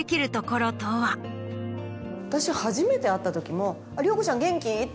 私初めて会ったときも。